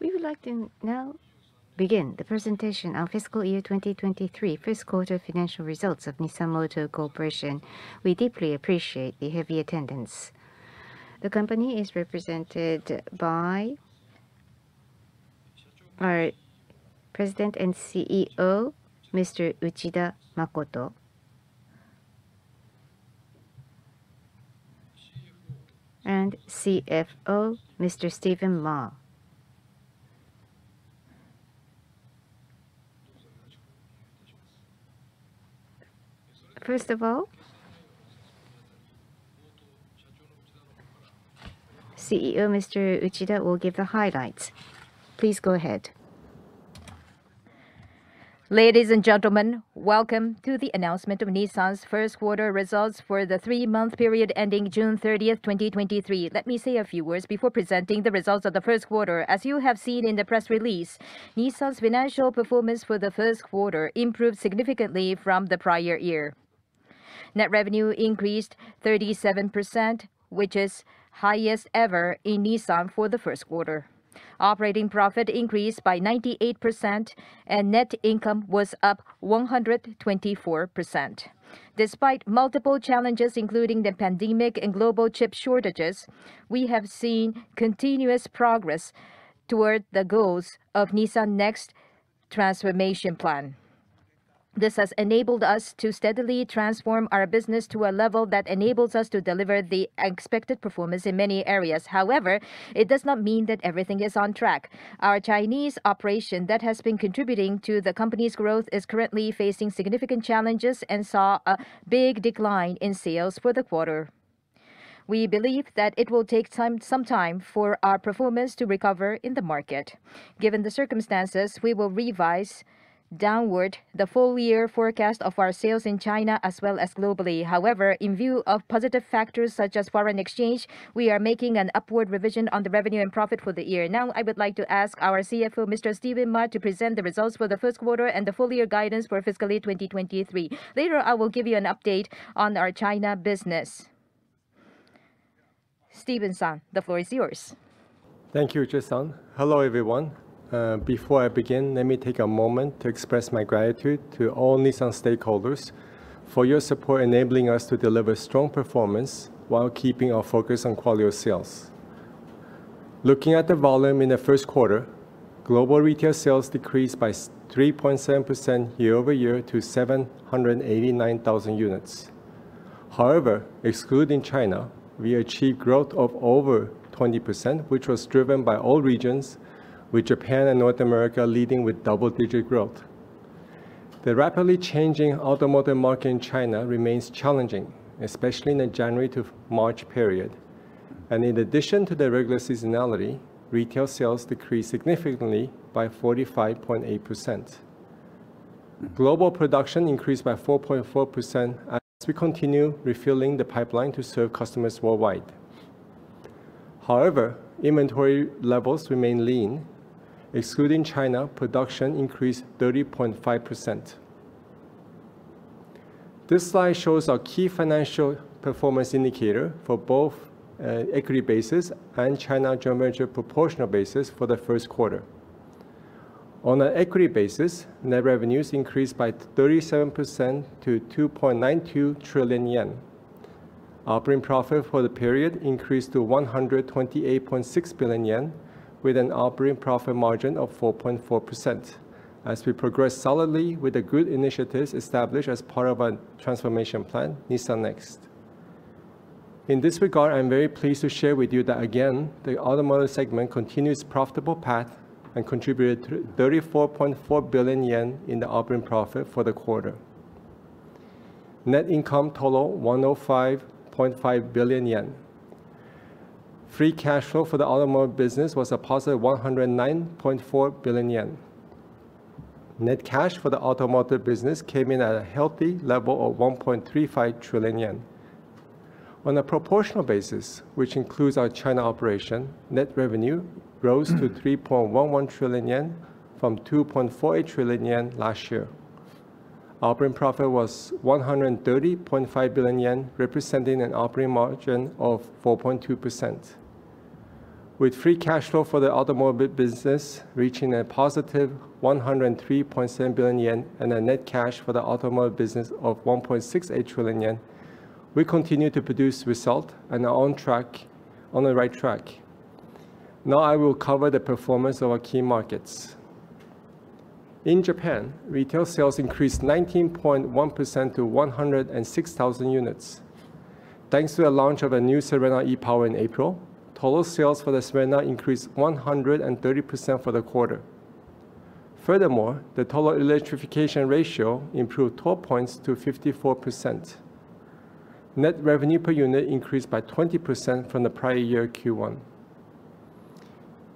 We would like to now begin the presentation of Fiscal Year 2023, First Quarter Financial Results of Nissan Motor Corporation. We deeply appreciate the heavy attendance. The company is represented by our President and CEO, Mr. Uchida Makoto, and CFO, Mr. Stephen Ma. First of all, CEO, Mr. Uchida, will give the highlights. Please go ahead. Ladies and gentlemen, welcome to the announcement of Nissan's first quarter results for the three month period ending June 30th, 2023. Let me say a few words before presenting the results of the first quarter. As you have seen in the press release, Nissan's financial performance for the first quarter improved significantly from the prior year. Net revenue increased 37%, which is highest ever in Nissan for the first quarter. Operating profit increased by 98%, and net income was up 124%. Despite multiple challenges, including the pandemic and global chip shortages, we have seen continuous progress toward the goals of Nissan NEXT transformation plan. This has enabled us to steadily transform our business to a level that enables us to deliver the expected performance in many areas. However, it does not mean that everything is on track. Our Chinese operation that has been contributing to the company's growth is currently facing significant challenges and saw a big decline in sales for the quarter. We believe that it will take time, some time for our performance to recover in the market. Given the circumstances, we will revise downward the full year forecast of our sales in China as well as globally. However, in view of positive factors such as foreign exchange, we are making an upward revision on the revenue and profit for the year. Now, I would like to ask our CFO, Mr. Stephen Ma, to present the results for the first quarter and the full year guidance for fiscal year 2023. Later, I will give you an update on our China business. Stephen-san, the floor is yours. Thank you, Uchida-san. Hello, everyone. Before I begin, let me take a moment to express my gratitude to all Nissan stakeholders for your support, enabling us to deliver strong performance while keeping our focus on quality of sales. Looking at the volume in the first quarter, global retail sales decreased by 3.7% year-over-year to 789,000 units. However, excluding China, we achieved growth of over 20%, which was driven by all regions, with Japan and North America leading with double-digit growth. The rapidly changing automotive market in China remains challenging, especially in the January to March period. In addition to the regular seasonality, retail sales decreased significantly by 45.8%. Global production increased by 4.4% as we continue refilling the pipeline to serve customers worldwide. However, inventory levels remain lean. Excluding China, production increased 30.5%. This slide shows our key financial performance indicator for both equity basis and China joint venture proportional basis for the first quarter. On an equity basis, net revenues increased by 37% to 2.92 trillion yen. Operating profit for the period increased to 128.6 billion yen, with an operating profit margin of 4.4%, as we progress solidly with the good initiatives established as part of our transformation plan, Nissan NEXT. In this regard, I'm very pleased to share with you that, again, the automotive segment continued its profitable path and contributed 34.4 billion yen in the operating profit for the quarter. Net income total, 105.5 billion yen. Free cash flow for the automotive business was a positive 109.4 billion yen. Net cash for the automotive business came in at a healthy level of 1.35 trillion yen. On a proportional basis, which includes our China operation, net revenue rose to 3.11 trillion yen from 2.48 trillion yen last year. Operating profit was 130.5 billion yen, representing an operating margin of 4.2%. With free cash flow for the automotive business reaching a positive 103.7 billion yen and a net cash for the automotive business of 1.68 trillion yen, we continue to produce result and are on the right track. Now, I will cover the performance of our key markets. In Japan, retail sales increased 19.1% to 106,000 units. Thanks to the launch of a new Serena e-POWER in April, total sales for the Serena increased 130% for the quarter. The total electrification ratio improved 12 points to 54%. Net revenue per unit increased by 20% from the prior year Q1.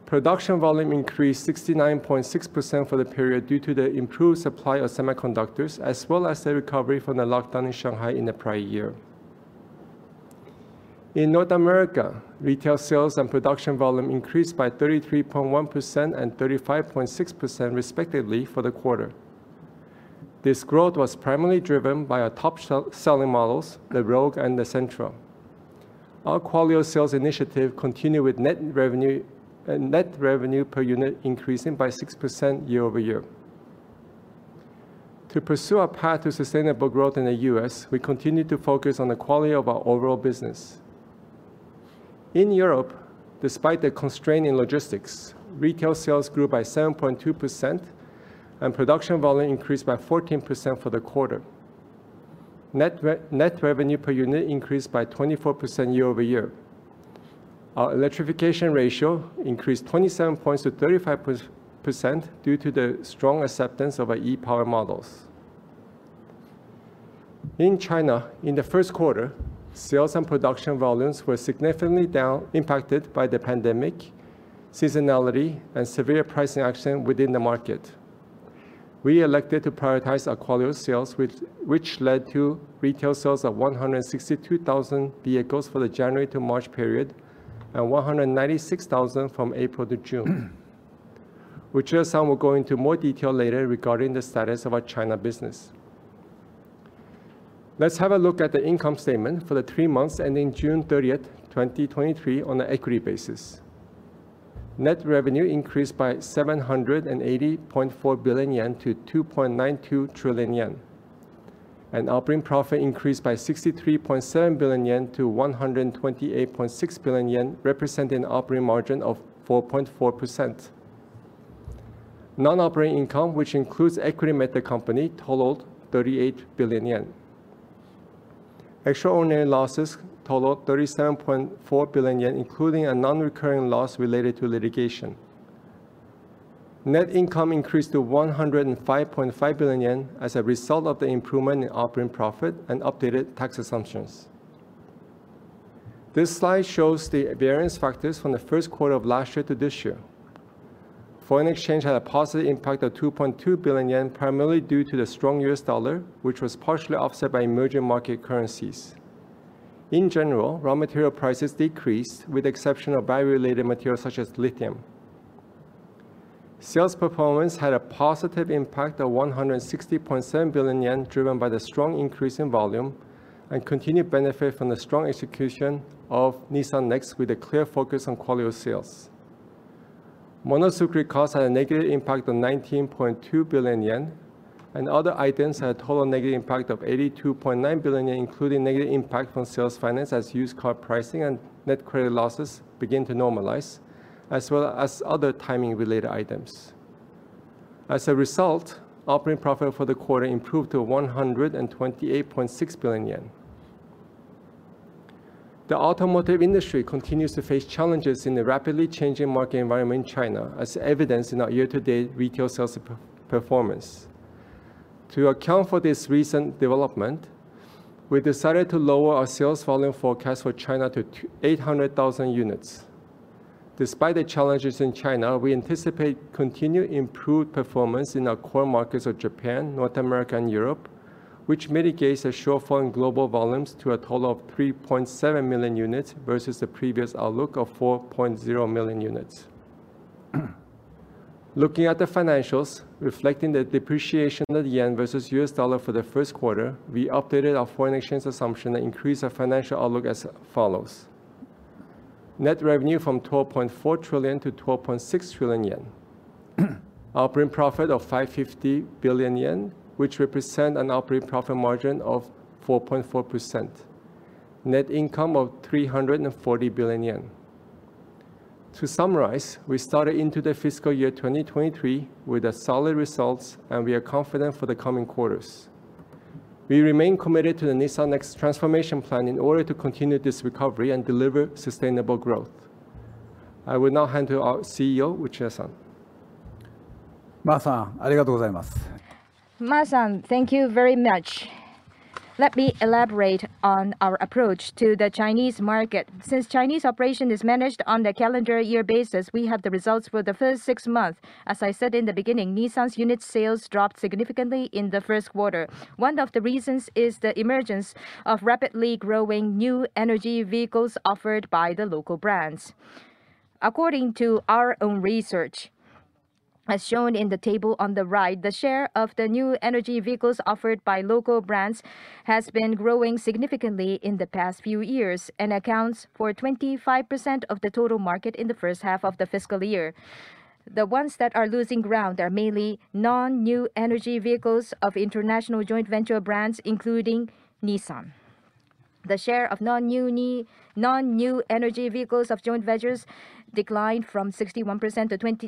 Production volume increased 69.6% for the period due to the improved supply of semiconductors, as well as the recovery from the lockdown in Shanghai in the prior year. In North America, retail sales and production volume increased by 33.1% and 35.6%, respectively, for the quarter. This growth was primarily driven by our top selling models, the Rogue and the Sentra. Our quality of sales initiative continued with net revenue, and net revenue per unit increasing by 6% year-over-year. To pursue our path to sustainable growth in the U.S., we continue to focus on the quality of our overall business. In Europe, despite the constraint in logistics, retail sales grew by 7.2%, and production volume increased by 14% for the quarter. Net revenue per unit increased by 24% year-over-year. Our electrification ratio increased 27 points to 35% due to the strong acceptance of our e-POWER models. In China, in the first quarter, sales and production volumes were significantly down, impacted by the pandemic, seasonality, and severe pricing action within the market. We elected to prioritize our quality of sales, which led to retail sales of 162,000 vehicles for the January to March period, and 196,000 from April to June. Some will go into more detail later regarding the status of our China business. Let's have a look at the income statement for the three months ending June 30, 2023, on an equity basis. Net revenue increased by 780.4 billion-2.92 trillion yen. Operating profit increased by 63.7 billion-128.6 billion yen, representing an operating margin of 4.4%. Non-operating income, which includes equity method company, totaled 38 billion yen. Extraordinary losses totaled 37.4 billion yen, including a non-recurring loss related to litigation. Net income increased to 105.5 billion yen as a result of the improvement in operating profit and updated tax assumptions. This slide shows the variance factors from the first quarter of last year to this year. Foreign exchange had a positive impact of 2.2 billion yen, primarily due to the strong US dollar, which was partially offset by emerging market currencies. In general, raw material prices decreased, with the exception of battery-related materials such as lithium. Sales performance had a positive impact of 160.7 billion yen, driven by the strong increase in volume and continued benefit from the strong execution of Nissan NEXT, with a clear focus on quality of sales. Monozukuri costs had a negative impact of 19.2 billion yen, and other items had a total negative impact of 82.9 billion yen, including negative impact on sales finance as used car pricing and net credit losses begin to normalize, as well as other timing-related items. As a result, operating profit for the quarter improved to 128.6 billion yen. The automotive industry continues to face challenges in the rapidly changing market environment in China, as evidenced in our year-to-date retail sales performance. To account for this recent development, we decided to lower our sales volume forecast for China to 800,000 units. Despite the challenges in China, we anticipate continued improved performance in our core markets of Japan, North America, and Europe, which mitigates a shortfall in global volumes to a total of 3.7 million units, versus the previous outlook of 4.0 million units. Looking at the financials, reflecting the depreciation of the yen versus US dollar for the first quarter, we updated our foreign exchange assumption and increased our financial outlook as follows: Net revenue from 12.4 trillion-12.6 trillion yen. Operating profit of 550 billion yen, which represent an operating profit margin of 4.4%. Net income of 340 billion yen. To summarize, we started into the fiscal year 2023 with a solid results, and we are confident for the coming quarters. We remain committed to the Nissan NEXT transformation plan in order to continue this recovery and deliver sustainable growth. I will now hand to our CEO, Uchida-san. Ma San, arigatou gozaimasu. Ma San, thank you very much. Let me elaborate on our approach to the Chinese market. Since Chinese operation is managed on the calendar year basis, we have the results for the first six months. As I said in the beginning, Nissan's unit sales dropped significantly in the first quarter. One of the reasons is the emergence of rapidly growing new energy vehicles offered by the local brands. According to our own research, as shown in the table on the right, the share of the new energy vehicles offered by local brands has been growing significantly in the past few years and accounts for 25% of the total market in the first half of the fiscal year. The ones that are losing ground are mainly non-new energy vehicles of international joint venture brands, including Nissan. The share of non-new energy vehicles of joint ventures declined from 61%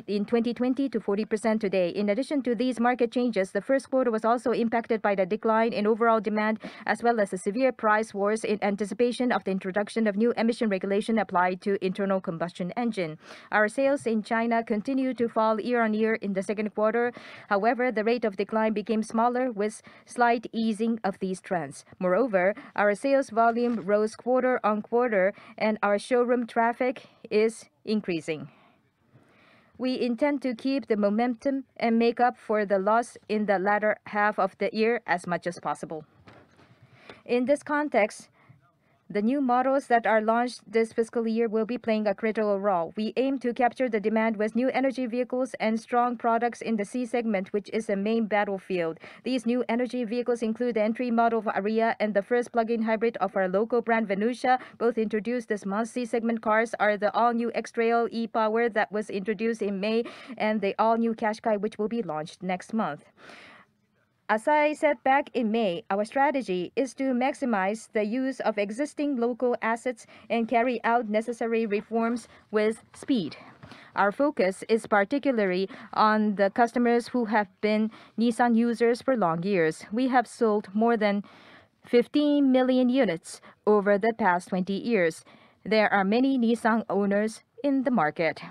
in 2020 to 40% today. In addition to these market changes, the first quarter was also impacted by the decline in overall demand, as well as the severe price wars in anticipation of the introduction of new emission regulation applied to internal combustion engine. Our sales in China continued to fall year-on-year in the second quarter. However, the rate of decline became smaller, with slight easing of these trends. Moreover, our sales volume rose quarter-on-quarter, and our showroom traffic is increasing. We intend to keep the momentum and make up for the loss in the latter half of the year as much as possible. In this context, the new models that are launched this fiscal year will be playing a critical role. We aim to capture the demand with new energy vehicles and strong products in the C segment, which is a main battlefield. These new energy vehicles include the entry model of Ariya and the first plug-in hybrid of our local brand, Venucia, both introduced this month. C segment cars are the all-new X-Trail e-POWER that was introduced in May and the all-new Qashqai, which will be launched next month. As I said back in May, our strategy is to maximize the use of existing local assets and carry out necessary reforms with speed. Our focus is particularly on the customers who have been Nissan users for long years. We have sold more than 15 million units over the past 20 years. There are many Nissan owners in the market.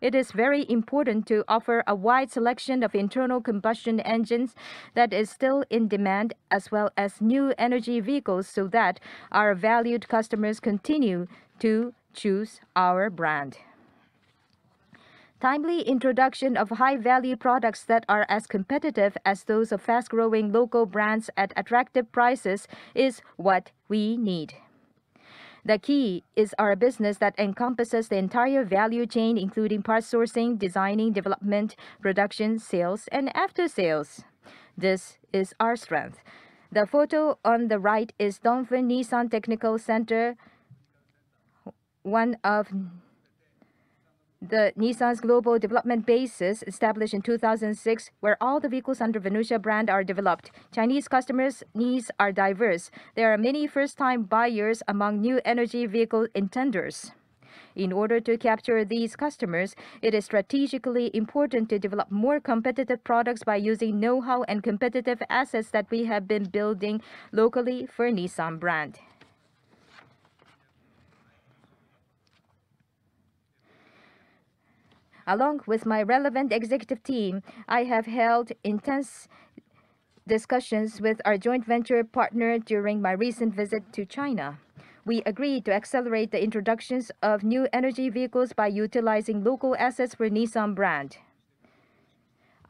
It is very important to offer a wide selection of internal combustion engines that is still in demand, as well as new energy vehicles, so that our valued customers continue to choose our brand. Timely introduction of high-value products that are as competitive as those of fast-growing local brands at attractive prices is what we need. The key is our business that encompasses the entire value chain, including parts sourcing, designing, development, production, sales, and aftersales. This is our strength. The photo on the right is Dongfeng Nissan Technical Center, one of the Nissan's global development bases, established in 2006, where all the vehicles under Venucia brand are developed. Chinese customers' needs are diverse. There are many first-time buyers among new energy vehicle intenders. In order to capture these customers, it is strategically important to develop more competitive products by using know-how and competitive assets that we have been building locally for Nissan brand. Along with my relevant executive team, I have held intense discussions with our joint venture partner during my recent visit to China. We agreed to accelerate the introductions of new energy vehicles by utilizing local assets for Nissan brand.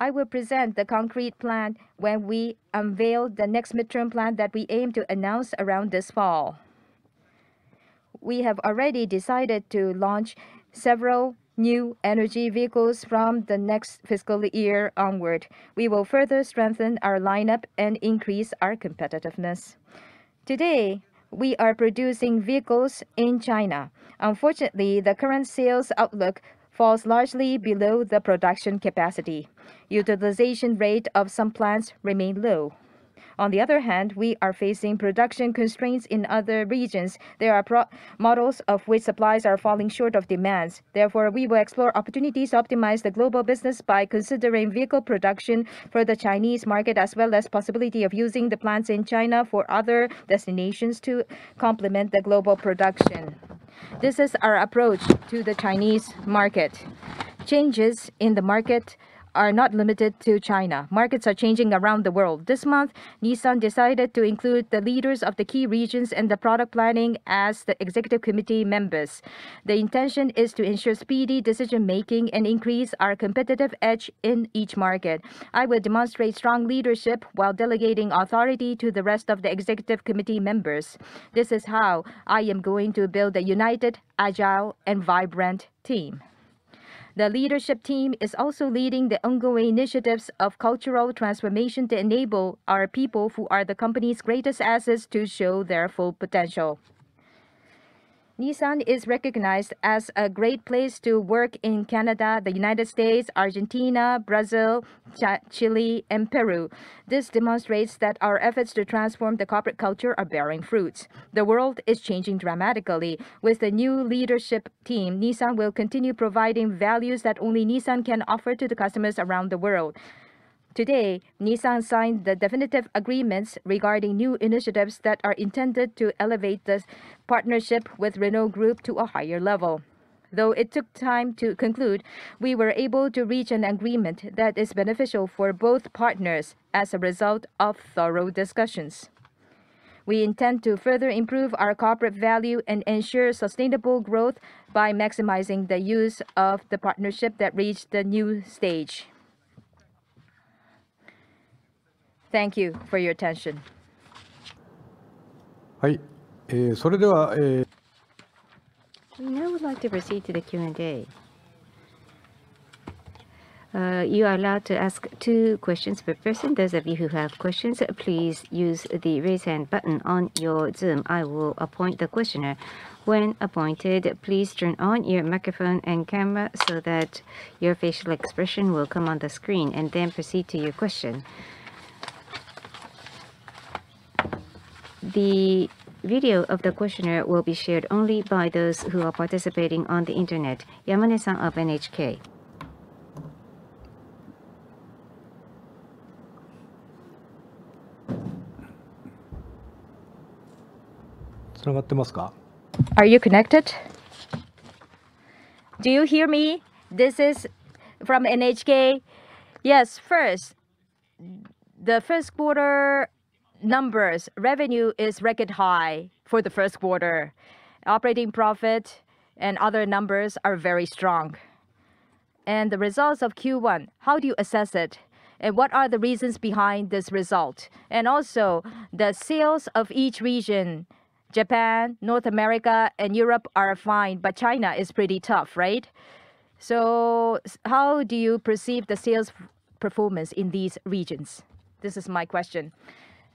I will present the concrete plan when we unveil the next mid-term plan that we aim to announce around this fall. We have already decided to launch several new energy vehicles from the next fiscal year onward. We will further strengthen our lineup and increase our competitiveness. Today, we are producing vehicles in China. Unfortunately, the current sales outlook falls largely below the production capacity. Utilization rate of some plants remain low. On the other hand, we are facing production constraints in other regions. There are pro- models of which supplies are falling short of demands. Therefore, we will explore opportunities to optimize the global business by considering vehicle production for the Chinese market, as well as possibility of using the plants in China for other destinations to complement the global production. This is our approach to the Chinese market. Changes in the market are not limited to China. Markets are changing around the world. This month, Nissan decided to include the leaders of the key regions in the product planning as the Executive Committee members. The intention is to ensure speedy decision-making and increase our competitive edge in each market. I will demonstrate strong leadership while delegating authority to the rest of the Executive Committee members. This is how I am going to build a united, agile, and vibrant team. The leadership team is also leading the ongoing initiatives of cultural transformation to enable our people, who are the company's greatest assets, to show their full potential. Nissan is recognized as a great place to work in Canada, the United States, Argentina, Brazil, Chile, and Peru. This demonstrates that our efforts to transform the corporate culture are bearing fruits. The world is changing dramatically. With the new leadership team, Nissan will continue providing values that only Nissan can offer to the customers around the world. Today, Nissan signed the definitive agreements regarding new initiatives that are intended to elevate this partnership with Renault Group to a higher level. It took time to conclude, we were able to reach an agreement that is beneficial for both partners as a result of thorough discussions. We intend to further improve our corporate value and ensure sustainable growth by maximizing the use of the partnership that reached the new stage. Thank you for your attention. I, so there are. We now would like to proceed to the Q&A. You are allowed to ask 2 questions per person. Those of you who have questions, please use the Raise Hand button on your Zoom. I will appoint the questioner. When appointed, please turn on your microphone and camera so that your facial expression will come on the screen, then proceed to your question. The video of the questioner will be shared only by those who are participating on the internet. Yamanisa of NHK? What the Moscow? Are you connected? Do you hear me? This is from NHK. First, the first quarter numbers, revenue is record high for the first quarter. Operating profit and other numbers are very strong. The results of Q1, how do you assess it? What are the reasons behind this result? The sales of each region, Japan, North America, and Europe are fine, but China is pretty tough, right? How do you perceive the sales performance in these regions? This is my question.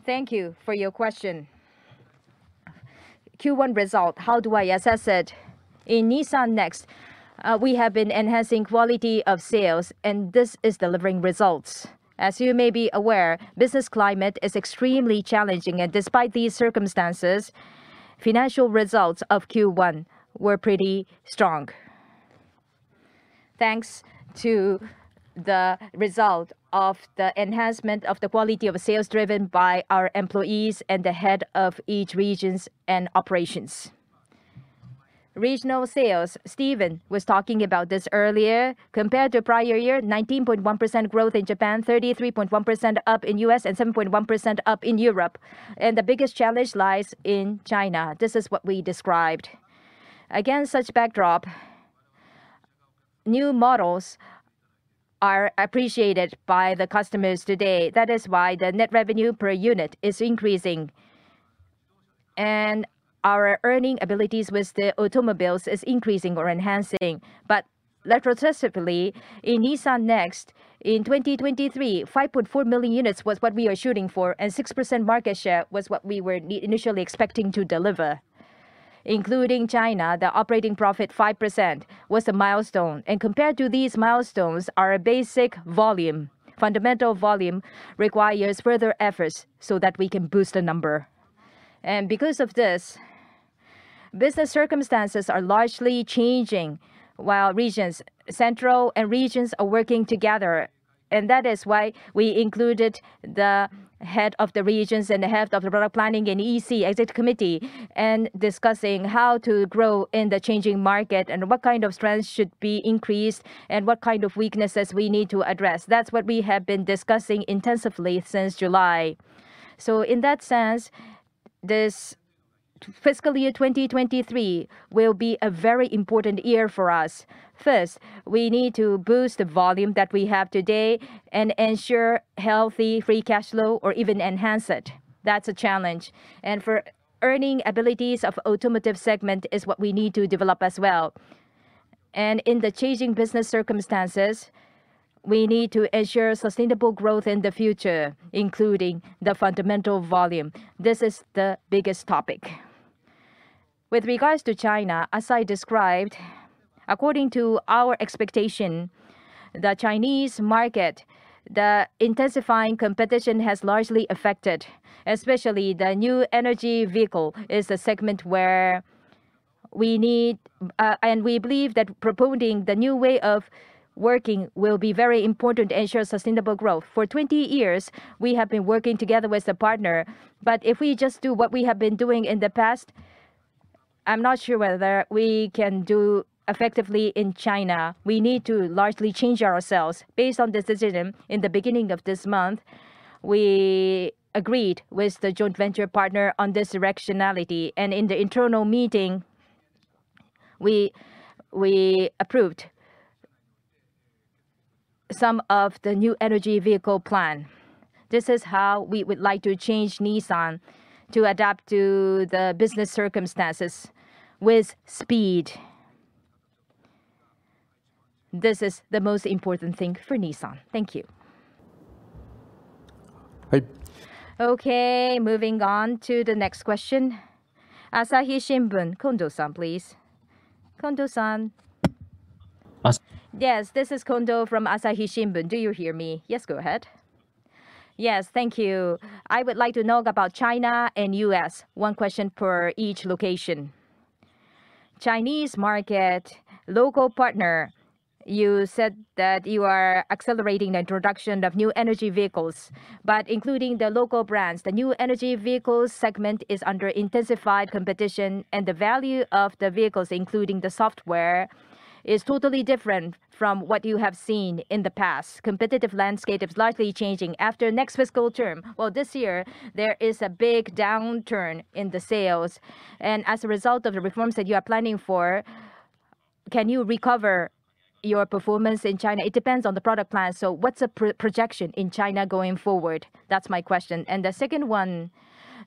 Thank you for your question. Q1 result, how do I assess it? In Nissan NEXT, we have been enhancing quality of sales, and this is delivering results. As you may be aware, business climate is extremely challenging, and despite these circumstances, financial results of Q1 were pretty strong. Thanks to the result of the enhancement of the quality of sales driven by our employees and the head of each regions and operations. Regional sales, Stephen Ma was talking about this earlier. Compared to prior year, 19.1% growth in Japan, 33.1% up in the U.S., and 7.1% up in Europe. The biggest challenge lies in China. This is what we described. Against such backdrop, new models are appreciated by the customers today. That is why the net revenue per unit is increasing, and our earning abilities with the automobiles is increasing or enhancing. Repressively, in Nissan NEXT, in 2023, 5.4 million units was what we are shooting for, and 6% market share was what we were initially expecting to deliver. Including China, the operating profit, 5%, was a milestone, and compared to these milestones, our basic volume, fundamental volume, requires further efforts so that we can boost the number. Because of this, business circumstances are largely changing, while regions, central and regions are working together. That is why we included the head of the regions and the head of the product planning in EC, Executive Committee, and discussing how to grow in the changing market and what kind of strengths should be increased and what kind of weaknesses we need to address. That's what we have been discussing intensively since July. In that sense, this fiscal year 2023 will be a very important year for us. First, we need to boost the volume that we have today and ensure healthy, free cash flow or even enhance it. That's a challenge. For earning abilities of automotive segment is what we need to develop as well. In the changing business circumstances, we need to ensure sustainable growth in the future, including the fundamental volume. This is the biggest topic. With regards to China, as I described, according to our expectation, the Chinese market, the intensifying competition has largely affected, especially the new energy vehicle, is a segment where we need. We believe that proposing the new way of working will be very important to ensure sustainable growth. For 20 years, we have been working together with a partner, but if we just do what we have been doing in the past, I'm not sure whether we can do effectively in China. We need to largely change ourselves. Based on this decision, in the beginning of this month, we agreed with the joint venture partner on this directionality, and in the internal meeting, we approved some of the new energy vehicle plan. This is how we would like to change Nissan to adapt to the business circumstances with speed. This is the most important thing for Nissan. Thank you. Okay, moving on to the next question. Asahi Shimbun, Kondo-san, please. Kondo-san? As- Yes, this is Kondo from Asahi Shimbun. Do you hear me? Yes, go ahead. Yes, thank you. I would like to know about China and U.S., one question per each location. Chinese market, local partner, you said that you are accelerating the introduction of new energy vehicles, but including the local brands, the new energy vehicles segment is under intensified competition, and the value of the vehicles, including the software, is totally different from what you have seen in the past. Competitive landscape is largely changing. Well, this year, there is a big downturn in the sales, and as a result of the reforms that you are planning for, can you recover your performance in China? It depends on the product plan, so what's the projection in China going forward? That's my question. The second one,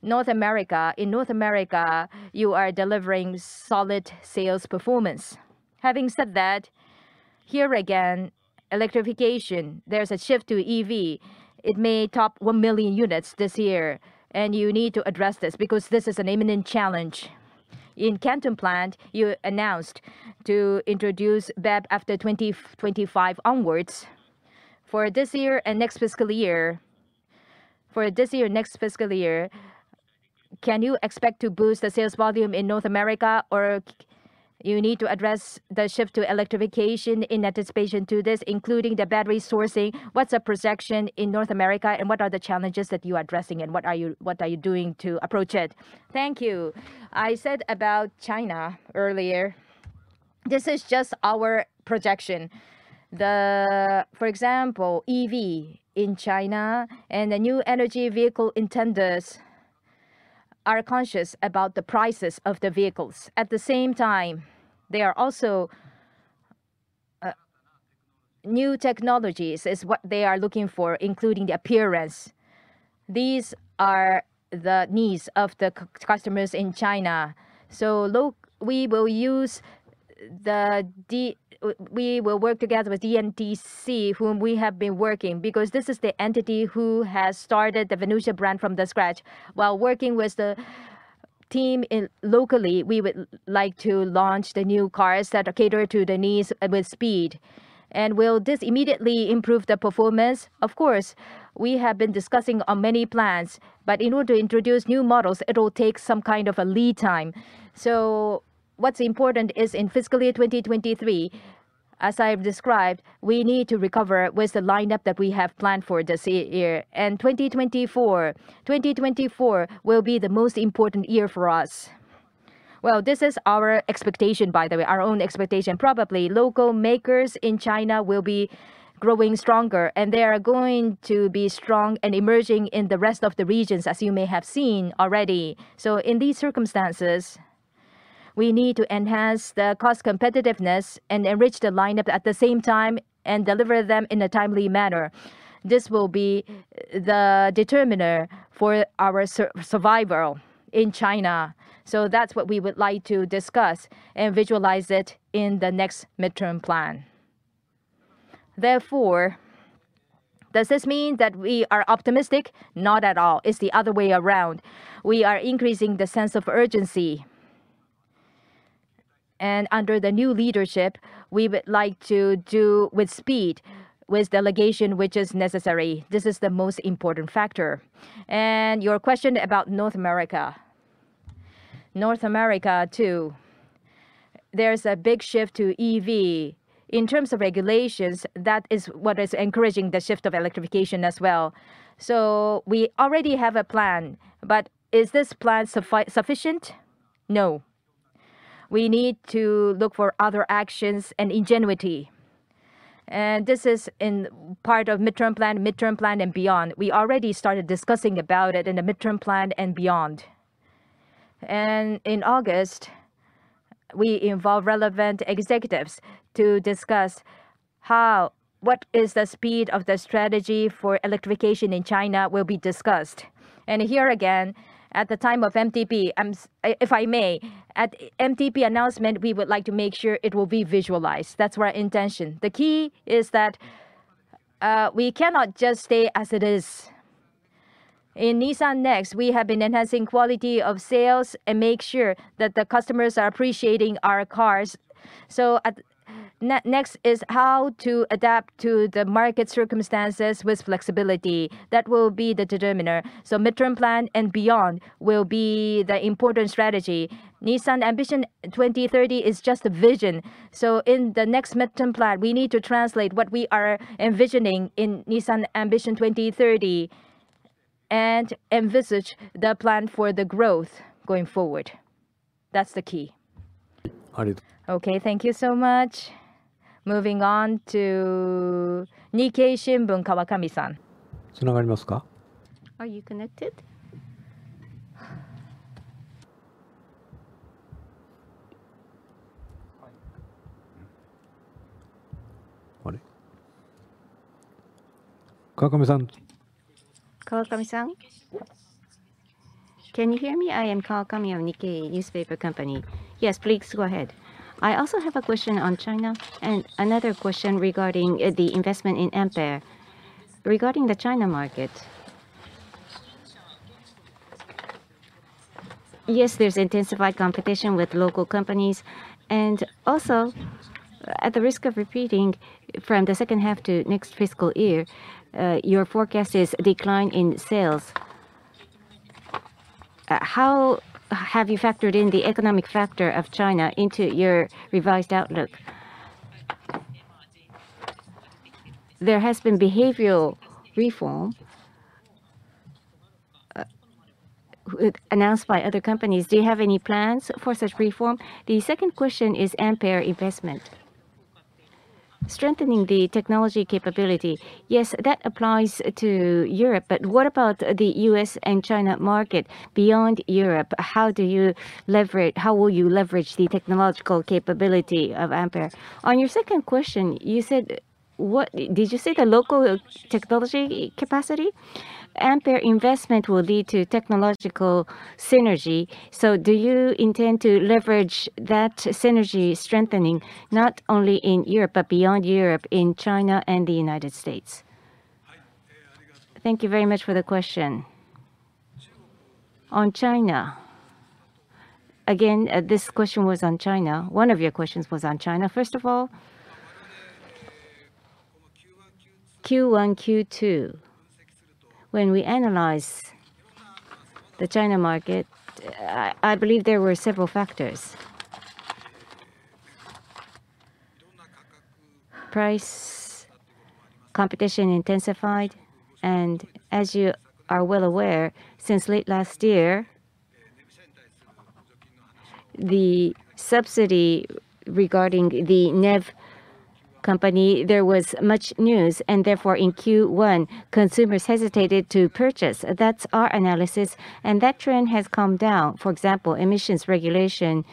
North America. In North America, you are delivering solid sales performance. Having said that, here again, electrification, there's a shift to EV. It may top one million units this year, and you need to address this because this is an imminent challenge. In Canton Plant, you announced to introduce BEV after 2025 onwards. For this year, next fiscal year, can you expect to boost the sales volume in North America, or you need to address the shift to electrification in anticipation to this, including the battery sourcing? What's the projection in North America, and what are the challenges that you are addressing, and what are you doing to approach it? Thank you. I said about China earlier. This is just our projection. For example, EV in China and the new energy vehicle intendersare conscious about the prices of the vehicles. they are also new technologies is what they are looking for, including the appearance. These are the needs of the customers in China. we will work together with DNTC, whom we have been working, because this is the entity who has started the Venucia brand from the scratch. While working with the team in locally, we would like to launch the new cars that cater to the needs with speed. Will this immediately improve the performance? Of course, we have been discussing on many plans, but in order to introduce new models, it'll take some kind of a lead time. what's important is in fiscal year 2023, as I've described, we need to recover with the lineup that we have planned for this year. 2024 will be the most important year for us. Well, this is our expectation, by the way, our own expectation. Probably, local makers in China will be growing stronger, and they are going to be strong and emerging in the rest of the regions, as you may have seen already. In these circumstances, we need to enhance the cost competitiveness and enrich the lineup at the same time, and deliver them in a timely manner. This will be the determiner for our survival in China. That's what we would like to discuss and visualize it in the next midterm plan. Does this mean that we are optimistic? Not at all. It's the other way around. We are increasing the sense of urgency. Under the new leadership, we would like to do with speed, with delegation, which is necessary. This is the most important factor. Your question about North America. North America, too, there's a big shift to EV. In terms of regulations, that is what is encouraging the shift of electrification as well. We already have a plan, but is this plan sufficient? No. We need to look for other actions and ingenuity, this is in part of midterm plan and beyond. We already started discussing about it in the midterm plan and beyond. In August, we involved relevant executives to discuss what is the speed of the strategy for electrification in China will be discussed. Here, again, at the time of MTP, if I may, at MTP announcement, we would like to make sure it will be visualized. That's our intention. The key is that we cannot just stay as it is. In Nissan NEXT, we have been enhancing quality of sales and make sure that the customers are appreciating our cars. At Nissan NEXT, is how to adapt to the market circumstances with flexibility. That will be the determiner. Midterm plan and beyond will be the important strategy. Nissan Ambition 2030 is just a vision. In the next midterm plan, we need to translate what we are envisioning in Nissan Ambition 2030, and envisage the plan for the growth going forward. That's the key. Arigato. Okay, thank you so much. Moving on to Nikkei Shinbun, Kawakami-san. Are you connected? Are you connected? Hi. Kawakami-san? Kawakami-san, can you hear me? I am Kawakami of Nikkei Newspaper Company. Yes, please go ahead. I also have a question on China, and another question regarding the investment in Ampere. Regarding the China market, yes, there's intensified competition with local companies, and also, at the risk of repeating, from the second half to next fiscal year, your forecast is a decline in sales. How have you factored in the economic factor of China into your revised outlook? There has been behavioral reform announced by other companies. Do you have any plans for such reform? The second question is Ampere investment. Strengthening the technology capability, yes, that applies to Europe, but what about the U.S. and China market beyond Europe? How will you leverage the technological capability of Ampere? On your second question, you said, Did you say the local technology capacity? Ampere investment will lead to technological synergy. Do you intend to leverage that synergy strengthening, not only in Europe, but beyond Europe, in China and the United States? Thank you very much for the question. On China, again, this question was on China. One of your questions was on China. First of all, Q1, Q2, when we analyze the China market, I believe there were several factors. Price competition intensified, and as you are well aware, since late last year the subsidy regarding the NEV company, there was much news, and therefore, in Q1, consumers hesitated to purchase. That's our analysis, and that trend has come down. For example, emissions regulation,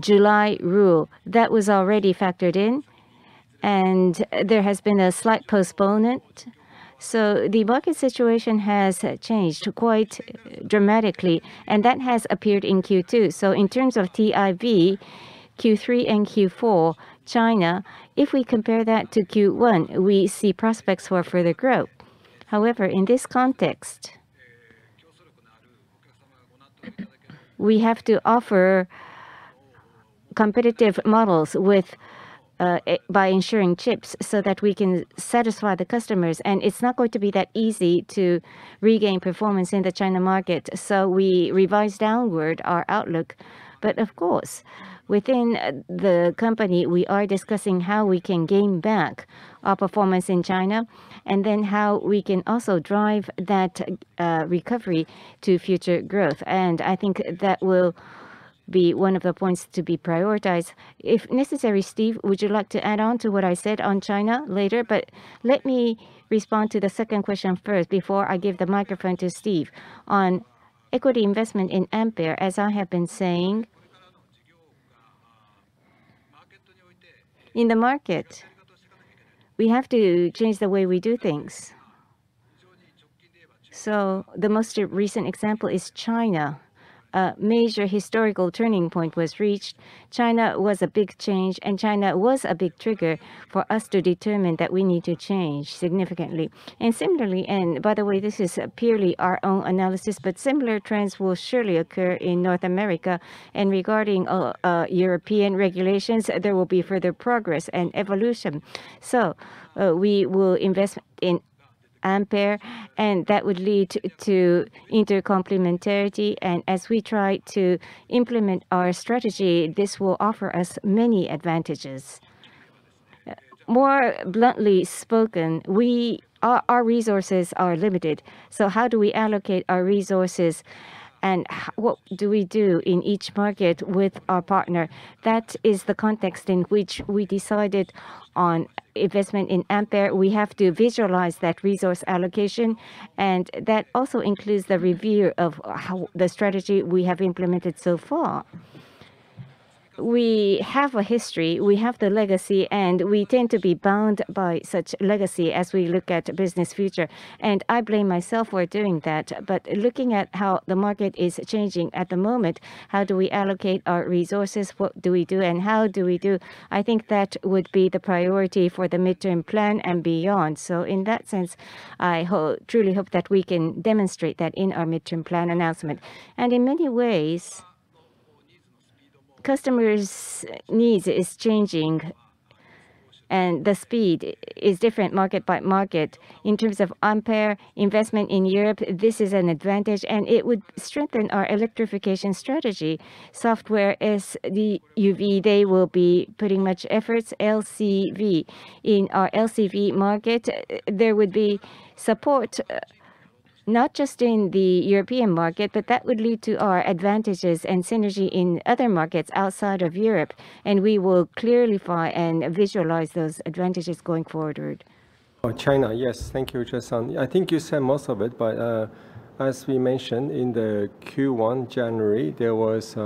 July rule, that was already factored in, and there has been a slight postponement. The market situation has changed quite dramatically, and that has appeared in Q2. In terms of TIV, Q3 and Q4, China, if we compare that to Q1, we see prospects for further growth. However, in this context, we have to offer competitive models with by ensuring chips, so that we can satisfy the customers. It's not going to be that easy to regain performance in the China market, so we revised downward our outlook. Of course, within the company, we are discussing how we can gain back our performance in China, then how we can also drive that recovery to future growth, and I think that will be one of the points to be prioritized. If necessary, Steve, would you like to add on to what I said on China later? Let me respond to the second question first, before I give the microphone to Steve. On equity investment in Ampere, as I have been saying, in the market, we have to change the way we do things. The most recent example is China. A major historical turning point was reached. China was a big change, and China was a big trigger for us to determine that we need to change significantly. Similarly... By the way, this is purely our own analysis, but similar trends will surely occur in North America. Regarding European regulations, there will be further progress and evolution. We will invest in Ampere, and that would lead to inter-complementarity, and as we try to implement our strategy, this will offer us many advantages. More bluntly spoken, we, our resources are limited, so how do we allocate our resources, and what do we do in each market with our partner? That is the context in which we decided on investment in Ampere. We have to visualize that resource allocation, and that also includes the review of how the strategy we have implemented so far. We have a history, we have the legacy, we tend to be bound by such legacy as we look at business future. I blame myself for doing that. Looking at how the market is changing at the moment, how do we allocate our resources? What do we do, and how do we do? I think that would be the priority for the midterm plan and beyond. In that sense, I truly hope that we can demonstrate that in our midterm plan announcement. In many ways, customers' needs is changing, and the speed is different market by market. In terms of Ampere investment in Europe, this is an advantage, and it would strengthen our electrification strategy. Software is the SDV. They will be putting much efforts, LCV, in our LCV market, there would be support, not just in the European market, but that would lead to our advantages and synergy in other markets outside of Europe. We will clearly find and visualize those advantages going forward. Oh, China, yes. Thank you, Uchida-san. I think you said most of it, but as we mentioned in the Q1, January, there was,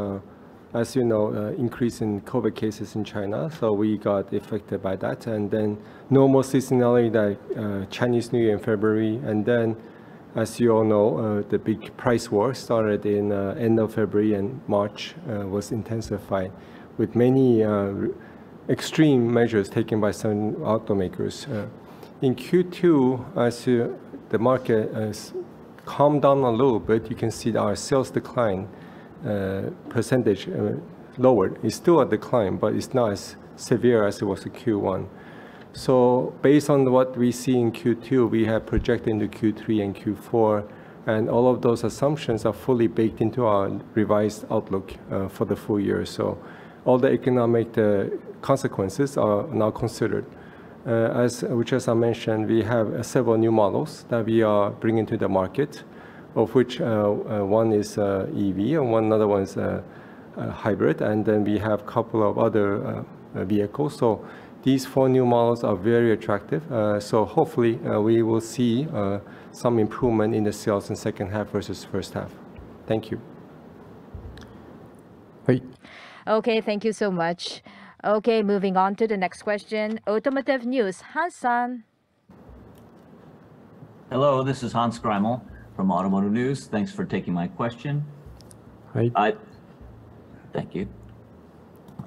as you know, increase in COVID cases in China, so we got affected by that. Normal seasonality, the Chinese New Year in February. As you all know, the big price war started in end of February. March was intensified, with many extreme measures taken by certain automakers. In Q2, I see the market has calmed down a little bit. You can see that our sales decline percentage lowered. It's still a decline, but it's not as severe as it was in Q1. Based on what we see in Q2, we have projected into Q3 and Q4, and all of those assumptions are fully baked into our revised outlook for the full year. All the economic consequences are now considered. As Uchida-san mentioned, we have several new models that we are bringing to the market, of which one is EV, and one other one is a hybrid, and then we have couple of other vehicles. These four new models are very attractive. Hopefully, we will see some improvement in the sales in second half versus first half. Thank you. Hai. Okay, thank you so much. Okay, moving on to the next question, Automotive News, Hans Greimel. Hello, this is Hans Greimel from Automotive News. Thanks for taking my question. Hai. Thank you.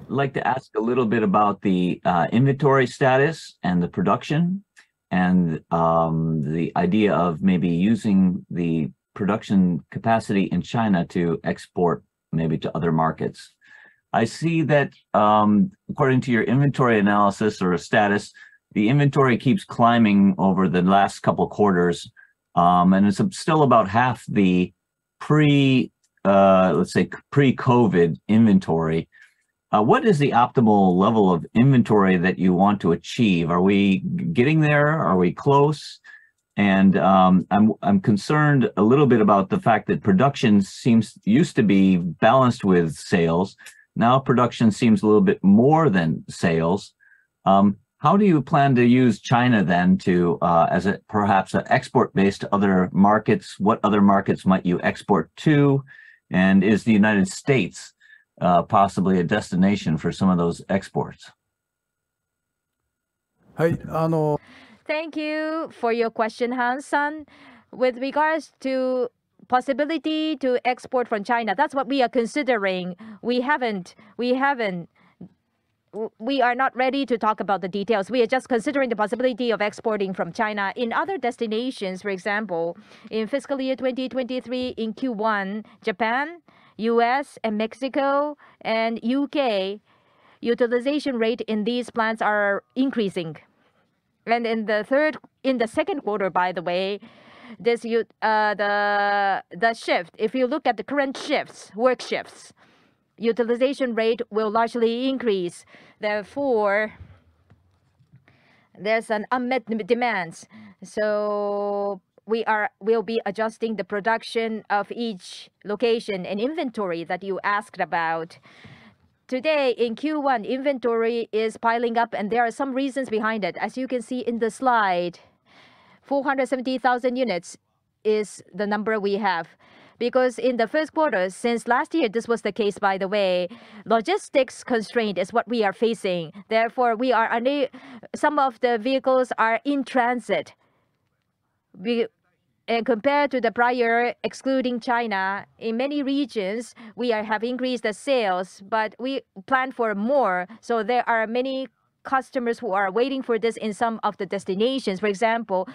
I'd like to ask a little bit about the inventory status and the production, and the idea of maybe using the production capacity in China to export maybe to other markets. I see that, according to your inventory analysis or status, the inventory keeps climbing over the last couple of quarters, and it's still about half the pre, let's say, pre-COVID inventory. What is the optimal level of inventory that you want to achieve? Are we getting there? Are we close? I'm concerned a little bit about the fact that production used to be balanced with sales. Now, production seems a little bit more than sales. How do you plan to use China then to as a perhaps a export base to other markets? What other markets might you export to? Is the United States, possibly a destination for some of those exports? Hi, Ano. Thank you for your question, Hansan. With regards to possibility to export from China, that's what we are considering. We haven't... We are not ready to talk about the details. We are just considering the possibility of exporting from China. In other destinations, for example, in fiscal year 2023, in Q1, Japan, U.S., and Mexico, and U.K., utilization rate in these plants are increasing. In the second quarter, by the way, this the shift, if you look at the current shifts, work shifts, utilization rate will largely increase. Therefore, there's an unmet demands, so we'll be adjusting the production of each location. Inventory, that you asked about, today, in Q1, inventory is piling up, and there are some reasons behind it. As you can see in the slide, 470,000 units is the number we have. In the first quarter, since last year, this was the case, by the way, logistics constraint is what we are facing. Some of the vehicles are in transit. Compared to the prior, excluding China, in many regions, we are have increased the sales, we plan for more. There are many customers who are waiting for this in some of the destinations. For example,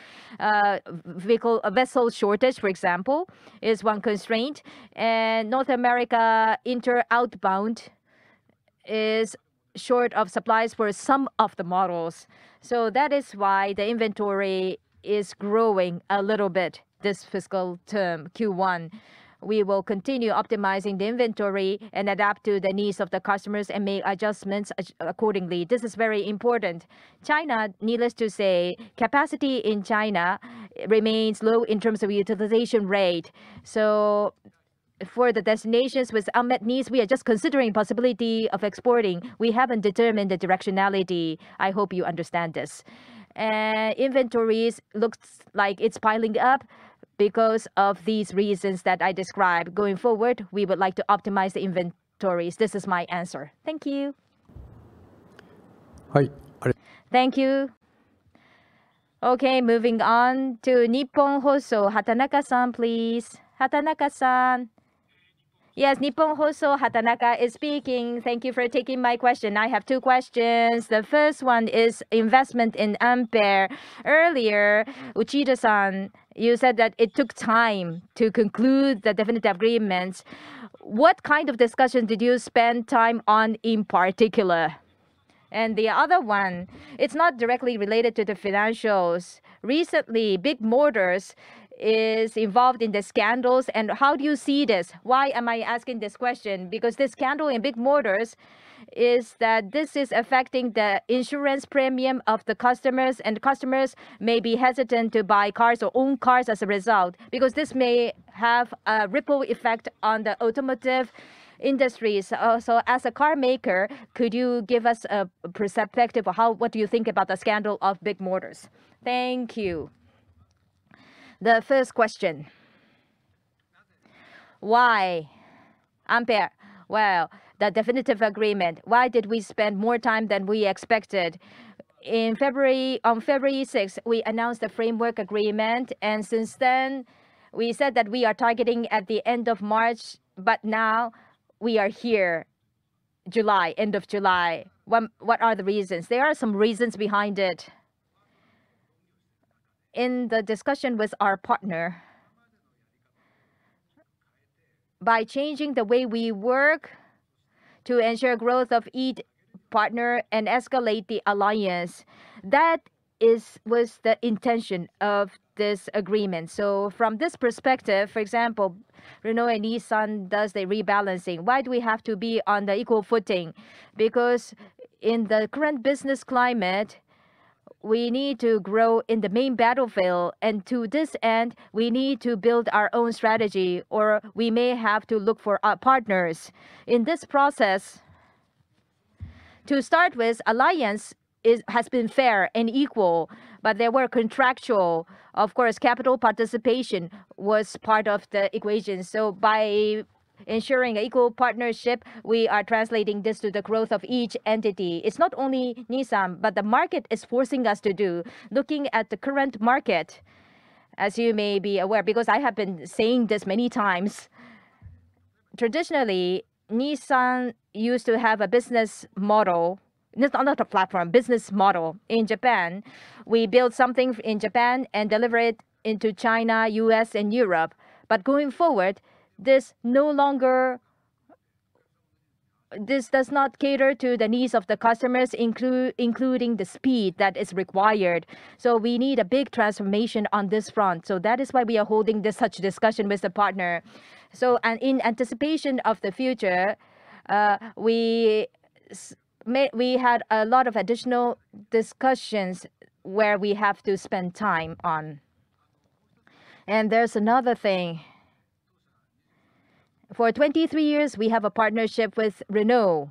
vehicle, a vessel shortage, for example, is one constraint. North America, inter-outbound is short of supplies for some of the models. That is why the inventory is growing a little bit this fiscal term, Q1. We will continue optimizing the inventory and adapt to the needs of the customers and make adjustments accordingly. This is very important. China, needless to say, capacity in China remains low in terms of utilization rate. For the destinations with unmet needs, we are just considering possibility of exporting. We haven't determined the directionality. I hope you understand this. Inventories looks like it's piling up because of these reasons that I described. Going forward, we would like to optimize the inventories. This is my answer. Thank you. Hi. Thank you. Moving on to Nippon Hoso, Hatanaka-san, please. Hatanaka-san? Yes, Nippon Hoso, Hatanaka is speaking. Thank you for taking my question. I have 2 questions. The first one is investment in Ampere. Earlier, Uchida-san, you said that it took time to conclude the definitive agreements. What kind of discussion did you spend time on in particular? The other one, it's not directly related to the financials. Recently, Big Motor is involved in the scandals, and how do you see this? Why am I asking this question? The scandal in Big Motor is that this is affecting the insurance premium of the customers, and customers may be hesitant to buy cars or own cars as a result, because this may have a ripple effect on the automotive industries. As a car maker, could you give us a perspective of what do you think about the scandal of Big Motor? Thank you. The first question: why Ampere? Well, the definitive agreement, why did we spend more time than we expected? In February, on February sixth, we announced a framework agreement, and since then, we said that we are targeting at the end of March, but now we are here, July, end of July. What are the reasons? There are some reasons behind it. In the discussion with our partner, by changing the way we work to ensure growth of each partner and escalate the alliance, that was the intention of this agreement. From this perspective, for example, Renault and Nissan does the rebalancing. Why do we have to be on the equal footing? In the current business climate, we need to grow in the main battlefield, and to this end, we need to build our own strategy, or we may have to look for partners. In this process, to start with, alliance has been fair and equal, but they were contractual. Of course, capital participation was part of the equation. By ensuring equal partnership, we are translating this to the growth of each entity. It's not only Nissan, but the market is forcing us to do. Looking at the current market, as you may be aware, because I have been saying this many times, traditionally, Nissan used to have a business model, not a platform, business model in Japan. We build something in Japan and deliver it into China, U.S., and Europe. Going forward, this no longer... This does not cater to the needs of the customers, including the speed that is required. We need a big transformation on this front. That is why we are holding this such discussion with the partner. In anticipation of the future, we had a lot of additional discussions where we have to spend time on. There's another thing. For 23 years, we have a partnership with Renault,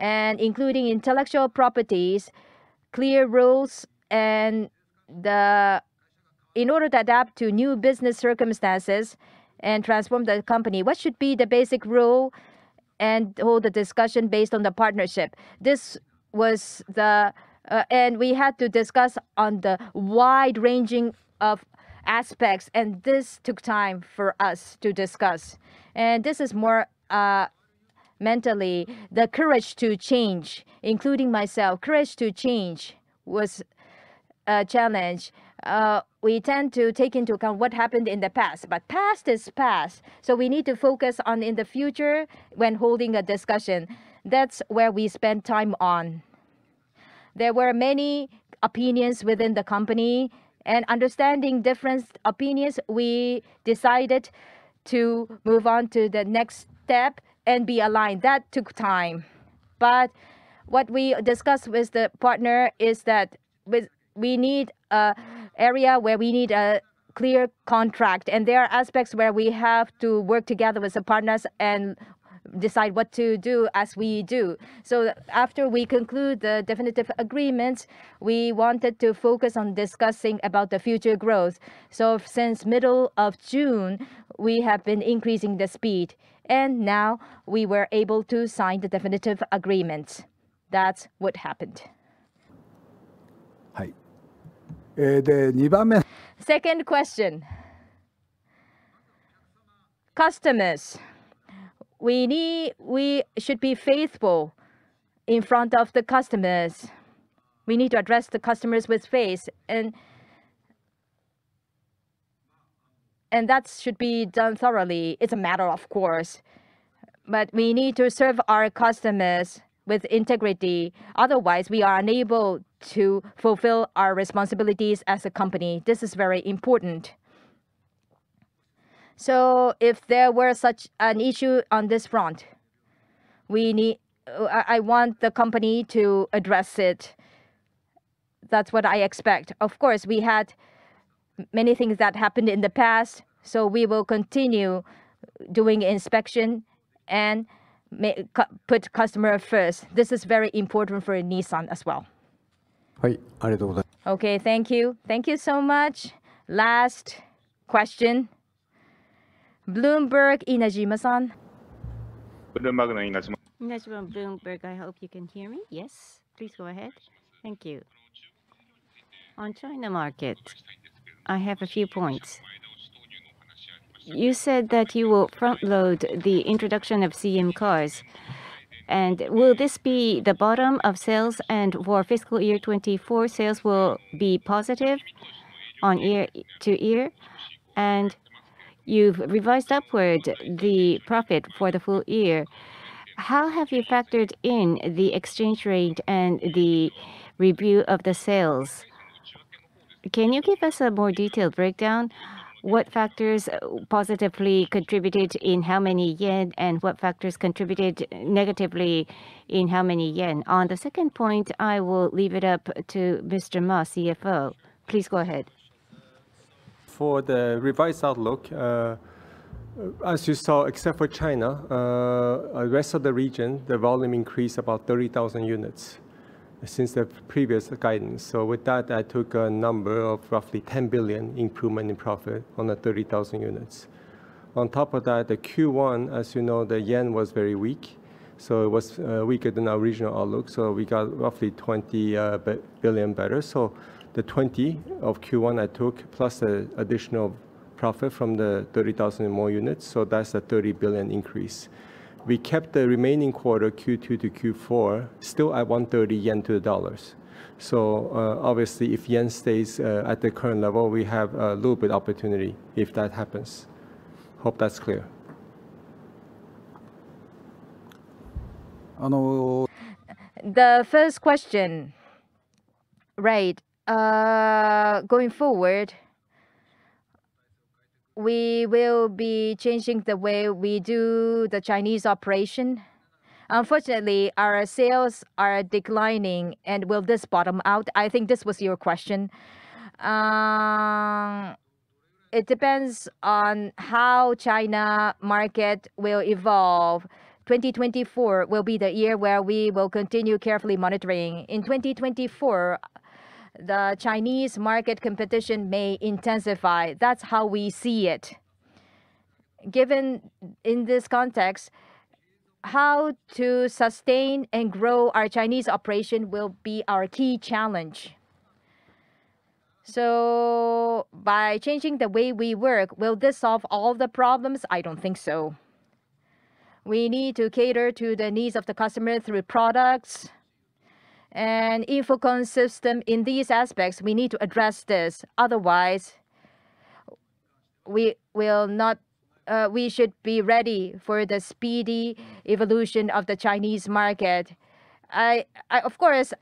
including intellectual properties, clear rules, in order to adapt to new business circumstances and transform the company, what should be the basic rule and hold the discussion based on the partnership? This was the. We had to discuss on the wide-ranging of aspects, this took time for us to discuss. This is more, mentally, the courage to change, including myself. Courage to change was a challenge. We tend to take into account what happened in the past is past, we need to focus on in the future when holding a discussion. That's where we spend time on. There were many opinions within the company, understanding different opinions, we decided to move on to the next step and be aligned. That took time. What we discussed with the partner is that we need a area where we need a clear contract, and there are aspects where we have to work together with the partners and decide what to do as we do. After we conclude the definitive agreement, we wanted to focus on discussing about the future growth. Since middle of June, we have been increasing the speed, and now we were able to sign the definitive agreement. That's what happened. Hi. The second. Second question. Customers. We should be faithful in front of the customers. We need to address the customers with face, and that should be done thoroughly. It's a matter of course. We need to serve our customers with integrity, otherwise we are unable to fulfill our responsibilities as a company. This is very important. If there were such an issue on this front, we need, I want the company to address it. That's what I expect. Of course, we had many things that happened in the past, we will continue doing inspection and put customer first. This is very important for Nissan as well. Right. Okay, thank you. Thank you so much. Last question, Bloomberg, Inajima San. Bloomberg, Inajima. Inajima, Bloomberg. I hope you can hear me. Yes? Please go ahead. Thank you. On China market, I have a few points. You said that you will frontload the introduction of CM cars, and will this be the bottom of sales, and for fiscal year 2024, sales will be positive year-over-year? You've revised upward the profit for the full year. How have you factored in the exchange rate and the review of the sales? Can you give us a more detailed breakdown, what factors positively contributed in how many JPY, and what factors contributed negatively in how many JPY? On the second point, I will leave it up to Mr. Ma, CFO. Please go ahead. For the revised outlook, as you saw, except for China, rest of the region, the volume increased about 30,000 units since the previous guidance. With that, I took a number of roughly 10 billion improvement in profit on the 30,000 units. On top of that, the Q1, as you know, the yen was very weak, so it was weaker than our original outlook, so we got roughly 20 billion better. The 20 of Q1 I took, plus the additional profit from the 30,000 more units, that's a 30 billion increase. We kept the remaining quarter, Q2 to Q4, still at 130 yen to the dollars. Obviously, if yen stays at the current level, we have a little bit opportunity if that happens. Hope that's clear. I know- The first question, right. Going forward, we will be changing the way we do the Chinese operation. Unfortunately, our sales are declining. Will this bottom out? I think this was your question. It depends on how China market will evolve. 2024 will be the year where we will continue carefully monitoring. In 2024, the Chinese market competition may intensify. That's how we see it. Given in this context, how to sustain and grow our Chinese operation will be our key challenge. By changing the way we work, will this solve all the problems? I don't think so. We need to cater to the needs of the customer through products and info consistent in these aspects. We need to address this, otherwise we will not... We should be ready for the speedy evolution of the Chinese market. Of course,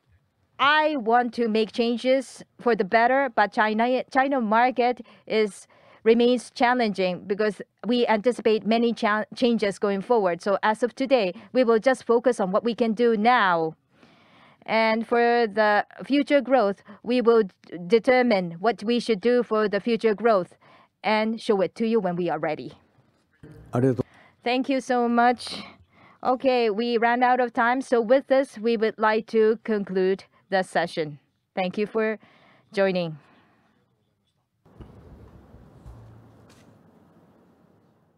I want to make changes for the better. China market remains challenging because we anticipate many changes going forward. As of today, we will just focus on what we can do now. For the future growth, we will determine what we should do for the future growth and show it to you when we are ready. I do- Thank you so much. Okay, we ran out of time, so with this, we would like to conclude the session. Thank you for joining.